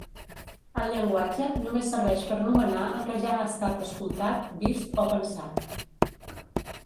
El llenguatge només serveix per nomenar el que ja ha estat escoltat, vist o pensat.